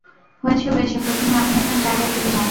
হয়েছে হয়েছে, প্রথমে আপনি আপনার জায়গায় ফিরে যান।